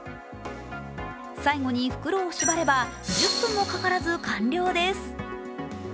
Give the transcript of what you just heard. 最後に袋をしばれば１０分もかからず完了です。